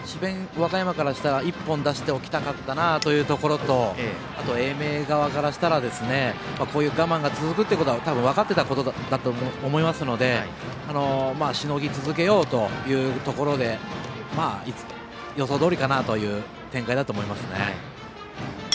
和歌山からしたら１本出しておきたかったなというところと英明側からしたらこういう我慢が続くということは多分、分かっていたことだと思いますのでしのぎ続けようというところで予想どおりかなという展開だと思いますね。